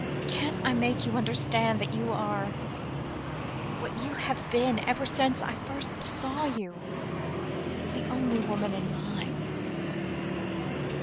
Can't I make you understand that you are what you have been ever since I first saw you the only woman in mine?"